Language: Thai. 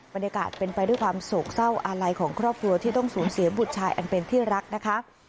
บรรยากาศเป็นไปด้วยความโศกเศร้าอาลัยของครอบครัวที่ต้องสูญเสียบุตรชายอันเป็นที่รักนะคะ